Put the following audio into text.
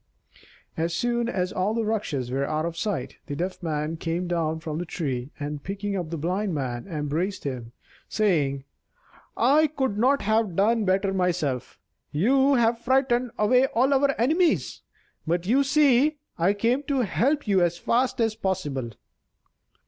As soon as all the Rakshas were out of sight, the Deaf Man came down from the tree, and, picking up the Blind Man, embraced him, saying: "I could not have done better myself. You have frightened away all our enemies, but you see I came to help you as fast as possible."